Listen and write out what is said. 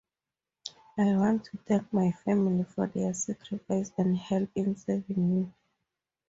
I want to thank my family for their sacrifice and help in serving you.